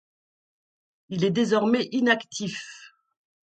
Il est désormais inactif.